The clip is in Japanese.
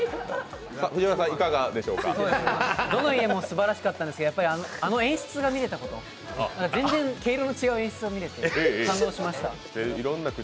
どの家もすばらしかったんですけど、あの演出が見れたこと、全然毛色の違う演出が見れて、感動しました。